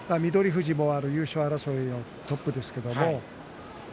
富士も優勝争いのトップですけれど翠